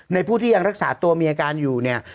ผู้ที่ยังรักษาตัวมีอาการอยู่เนี่ย